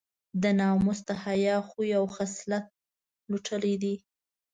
د ناموس د حیا خوی او خصلت لوټلی دی.